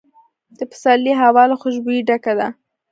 د پسرلي هوا له خوشبویۍ ډکه ده.